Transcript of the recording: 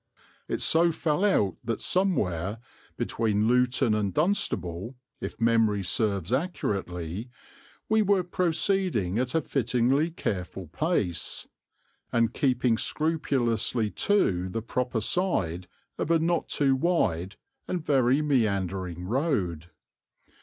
It so fell out that somewhere, between Luton and Dunstable, if memory serves accurately, we were proceeding at a fittingly careful pace, and keeping scrupulously to the proper side of a not too wide and very meandering road.